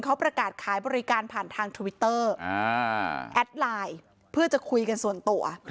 เขาประกาศขายบริการผ่านทางทวิตเตอร์แอดไลน์เพื่อจะคุยกันส่วนตัว